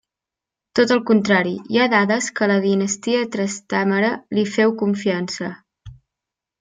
Tot al contrari, hi ha dades que la Dinastia Trastàmara li féu confiança.